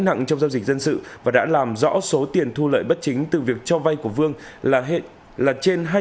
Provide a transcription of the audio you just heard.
nặng trong giao dịch dân sự và đã làm rõ số tiền thu lợi bất chính từ việc cho vay của vương là trên